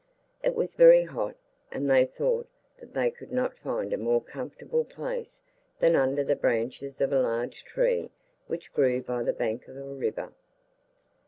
It was very hot, and they thought that they could not find a more comfortable place than under the branches of a large tree which grew by the bank of a river.